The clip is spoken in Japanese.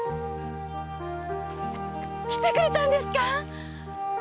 来てくれたんですか？